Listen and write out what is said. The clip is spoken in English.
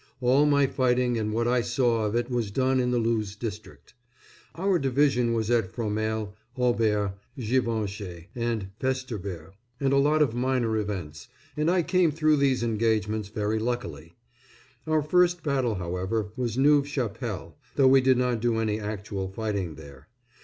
All my fighting and what I saw of it was done in the Loos district. Our division was at Fromelles, Aubers, Givenchy and Festubert, and a lot of minor events, and I came through these engagements very luckily. Our first battle, however, was Neuve Chapelle, though we did not do any actual fighting there.